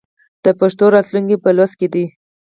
د پښتو راتلونکی په لوست کې دی.